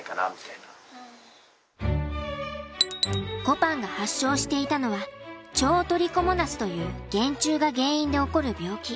こぱんが発症していたのは腸トリコモナスという原虫が原因で起こる病気。